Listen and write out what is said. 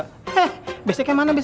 heh basicnya mana basic